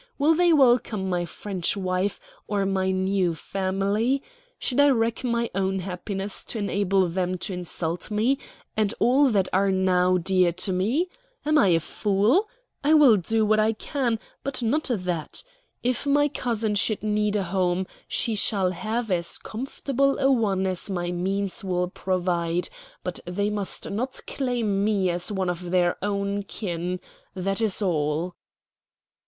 Will they welcome my French wife, or my new family? Should I wreck my own happiness to enable them to insult me, and all that are now dear to me? Am I a fool? I will do what I can, but not that. If my cousin should need a home, she shall have as comfortable a one as my means will provide. But they must not claim me as one of their own kin. That is all."